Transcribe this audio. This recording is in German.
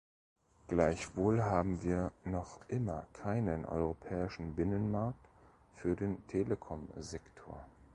Gleichwohl haben wir noch immer keinen europäischen Binnenmarkt für den Telekomsektor.